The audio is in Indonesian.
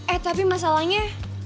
eh tapi masalahnya